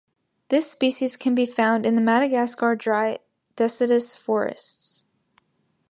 This species can be found in the Madagascar dry deciduous forests.